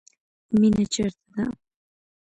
مینه چیرته ده؟